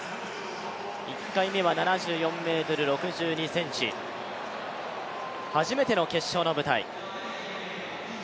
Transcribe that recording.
１回目は７４ｍ６２ｃｍ、初めての決勝の舞台。